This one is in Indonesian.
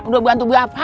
udah bantu berapa